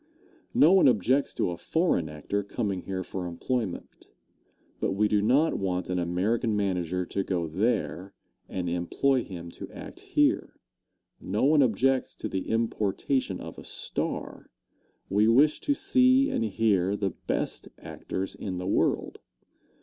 No one objects to a foreign actor coming here for employment, but we do not want an American manager to go there, and employ him to act here. No one objects to the importation of a star. We wish to see and hear the best actors in the world.